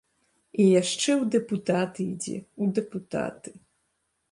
І яшчэ ў дэпутаты ідзе, у дэпутаты.